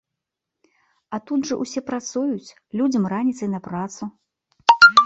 А тут жа ўсе працуюць, людзям раніцай на працу!